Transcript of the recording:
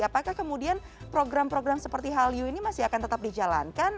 apakah kemudian program program seperti hallyu ini masih akan tetap dijalankan